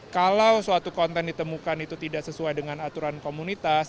kalau suatu konten ditemukan itu tidak sesuai dengan aturan komunitas